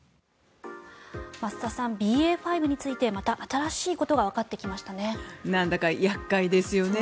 増田さん、ＢＡ．５についてまた新しいことがわかってきましたよね。